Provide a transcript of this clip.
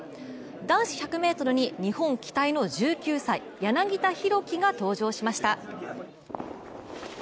男子１００ｍに日本期待の１９歳、柳田大輝が登場しました。